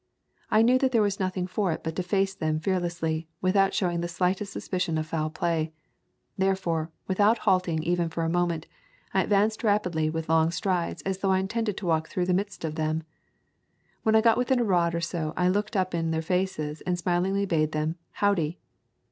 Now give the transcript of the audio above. I knew that there was nothing for it but to face them fearlessly, without showing the slightest sus picion of foul play. Therefore, without halting even for a moment, I advanced rapidly with long strides as though I intended towalk through the midst of them. When I got within a rod or so I looked up in their faces and smilingly bade them "Howdy."